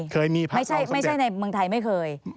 เคยมีภาครามก็เป็นแบบนั้นไม่ใช่ในเมืองไทยไม่เคย